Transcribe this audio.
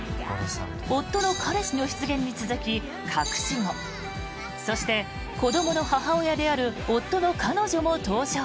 夫の彼氏の出現に続き、隠し子そして、子どもの母親である夫の彼女も登場。